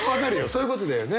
そういうことだよね。